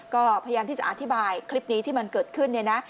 ก็พยายามที่จะอธิบายคลิปนี้ที่มันเกิดขึ้นเนี่ยนะ